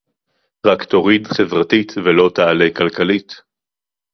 רק תוריד חברתית ולא תעלה כלכלית